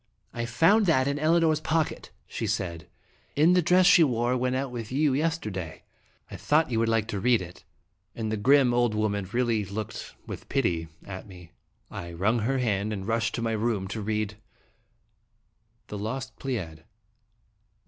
" I found that in Elinor's pocket," she said, "in the dress she wore when out with you yesterday. I thought you would like to read i22 (l)e Dramatic in it.*' And the grim, old woman really looked with pity at me. I wrung her hand, and rushed to my room to read : THE LOST PLEIAD.